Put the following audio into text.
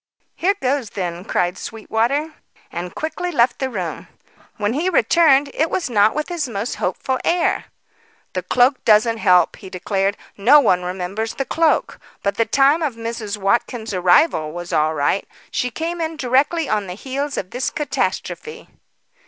"Here goes then!" cried Sweetwater, and quickly left the room. When he returned, it was not with his most hopeful air. "The cloak doesn't help," he declared. "No one remembers the cloak. But the time of Mrs. Watkins' arrival was all right. She came in directly on the heels of this catastrophe."